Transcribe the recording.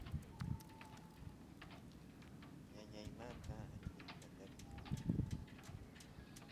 ñañaymanta akush paqakuy